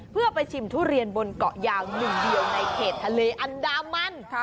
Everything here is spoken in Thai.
เพื่อไปชิมทุเรียนบนเกาะยาวหนึ่งเดียวในเขตทะเลอันดามัน